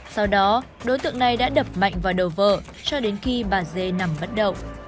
sau đó đối tượng này đã đập mạnh vào đầu vợ cho đến khi bà dê nằm bất động